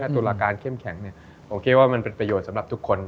ตุลาการเข้มแข็งผมคิดว่ามันเป็นประโยชน์สำหรับทุกคน